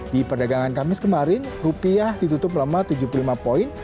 di perdagangan kamis kemarin rupiah ditutup melemah tujuh puluh lima poin